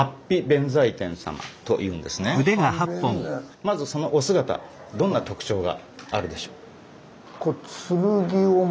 まずそのお姿どんな特徴があるでしょう。